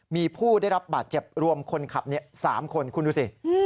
มีผู้ได้รับบาดเจ็บรวมคนขับ๓คนคุณดูสิ